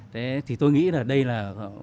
thì tôi nghĩ là đây là